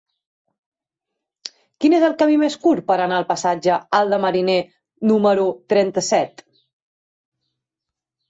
Quin és el camí més curt per anar al passatge Alt de Mariner número trenta-set?